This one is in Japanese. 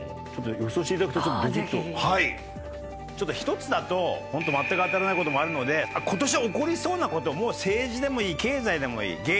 ちょっと１つだとまったく当たらないこともあるのでことし起こりそうなこともう政治でもいい経済でもいい。